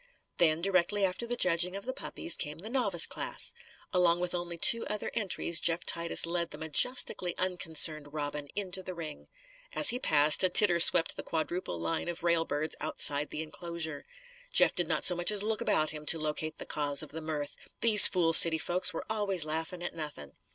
Then, directly after the judging of the puppies, came the novice class. Along with only two other entries, Jeff Titus led the majestically unconcerned Robin into the ring. As he passed, a titter swept the quadruple line of railbirds outside the inclosure. Jeff did not so much as look about him to locate the cause of the mirth. These fool city folks were always laughing at nothing.